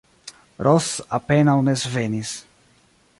Ros apenaŭ ne svenis.